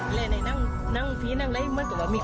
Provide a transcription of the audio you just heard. วิทยาลัยศาสตร์อัศวินตรี